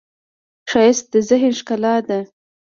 ښایست د ذهن ښکلا ده